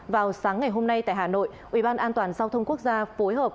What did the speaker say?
vào sáng ngày hôm nay tại hà nội ủy ban an toàn giao thông quốc gia phối hợp